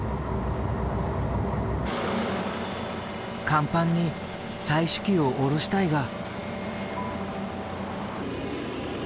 甲板に採取機を下ろしたいが。